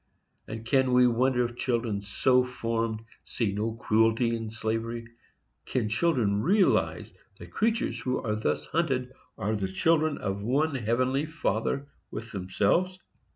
and can we wonder if children so formed see no cruelty in slavery? Can children realize that creatures who are thus hunted are the children of one heavenly Father with themselves?